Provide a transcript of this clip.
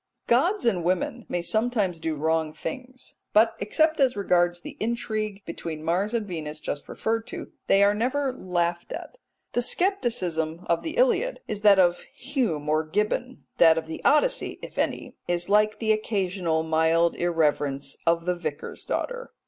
Gods and women may sometimes do wrong things, but, except as regards the intrigue between Mars and Venus just referred to, they are never laughed at. The scepticism of the Iliad is that of Hume or Gibbon; that of the Odyssey (if any) is like the occasional mild irreverence of the Vicar's daughter.